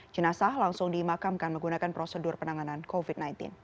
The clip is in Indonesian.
jenazah langsung dimakamkan menggunakan prosedur penanganan covid sembilan belas